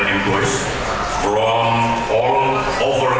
termasuk satu ular